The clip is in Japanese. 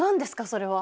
それは。